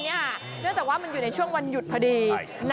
เนื่องจากว่ามันอยู่ในช่วงวันหยุดพอดี